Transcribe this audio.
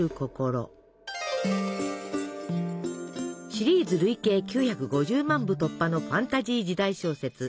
シリーズ累計９５０万部突破のファンタジー時代小説「しゃばけ」。